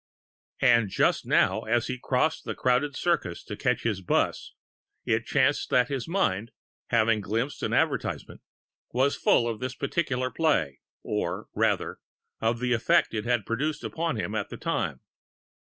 And just now, as he crossed the crowded Circus to catch his 'bus, it chanced that his mind (having glimpsed an advertisement) was full of this particular Play, or, rather, of the effect it had produced upon him at the time.